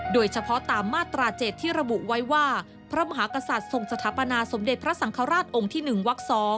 โดยเฉพาะตามมาตรา๗ที่ระบุไว้ว่าพระมหากษัตริย์ทรงสถาปนาสมเด็จพระสังฆราชองค์ที่๑วัก๒